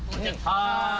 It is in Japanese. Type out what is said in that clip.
はい。